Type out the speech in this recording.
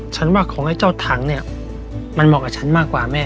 ฉันว่าของไอ้เจ้าถังเนี่ยมันเหมาะกับฉันมากกว่าแม่